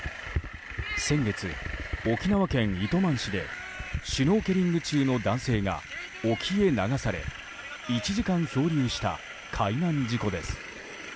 先月、沖縄県糸満市でシュノーケリング中の男性が沖へ流され１時間漂流した海難事故です。